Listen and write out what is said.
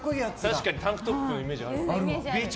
確かにタンクトップのイメージある。